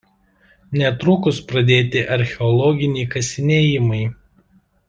Netrukus pradėti archeologiniai kasinėjimai.